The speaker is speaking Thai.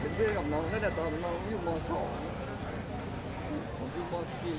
เป็นเพื่อนกับน้องตั้งแต่ตอนน้องอยู่ม๒ผมอยู่มอสกี